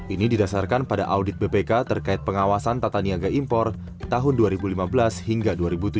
ini didasarkan pada audit bpk terkait pengawasan tata niaga impor tahun dua ribu lima belas hingga dua ribu tujuh belas